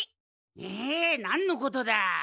えっなんのことだ？